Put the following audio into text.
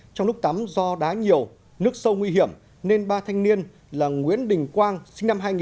trong lúc tắm do đá nhiều nước sâu nguy hiểm nên ba thanh niên là nguyễn đình quang sinh năm hai nghìn